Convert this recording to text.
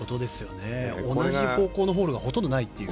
同じ方向のホールがほとんどないという。